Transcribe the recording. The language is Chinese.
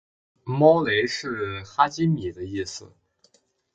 猫雷是哈基米的意思